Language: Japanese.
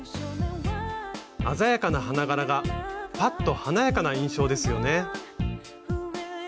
鮮やかな花柄がパッと華やかな印象ですよね。